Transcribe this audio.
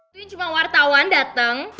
itu cuma wartawan datang